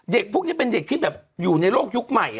พวกนี้เป็นเด็กที่แบบอยู่ในโลกยุคใหม่